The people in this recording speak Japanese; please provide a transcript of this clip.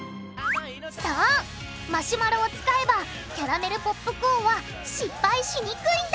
そうマシュマロを使えばキャラメルポップコーンは失敗しにくいんだ！